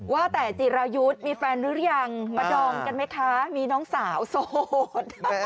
ว่าแต่จิรายุทธ์มีแฟนหรือยังมาดองกันไหมคะมีน้องสาวโสด